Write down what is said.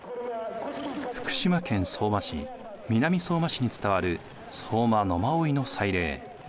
福島県相馬市・南相馬市に伝わる相馬野馬追の祭礼。